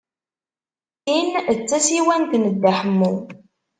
Tin d tasiwant n Dda Ḥemmu.